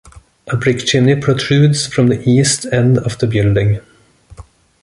A brick chimney protrudes from the east end of the building.